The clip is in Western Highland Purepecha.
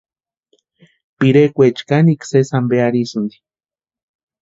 Pirekwaecha kanikwa sési ampe arhisïnti.